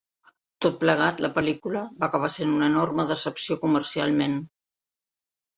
Tot plegat, la pel·lícula va acabar sent una enorme decepció comercialment.